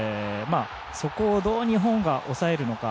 そこを、どう日本が抑えるか。